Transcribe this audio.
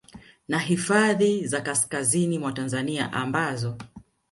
na hifadhi za kaskazi mwa Tanzania ambazo